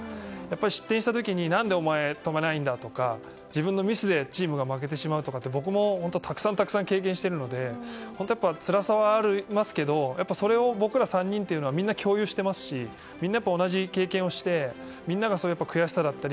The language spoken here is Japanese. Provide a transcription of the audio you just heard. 失点した時何でお前、止めないんだとか自分のミスでチームが負けてしまうって僕もたくさん経験しているのでつらさはありますけどそれを僕ら３人はみんな共有していますしみんな同じ経験をしてみんなが悔しさだったり。